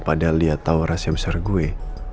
padahal dia tau rahasia besar gue